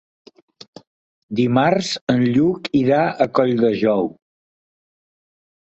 Dimarts en Lluc irà a Colldejou.